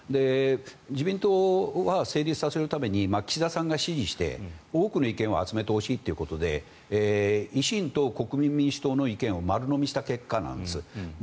自民党は成立させるために岸田さんが指示して多くの意見を集めてほしいということで維新と国民民主党の意見を丸のみした結果なんです。